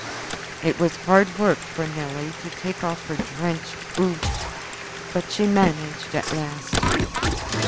It was hard work for Nelly to take off her drenched boots, but she managed at last.